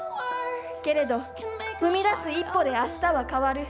けれど、踏み出す一歩であしたは変わる。